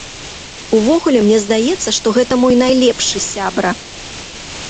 Увогуле, мне здаецца, што гэта мой найлепшы сябра!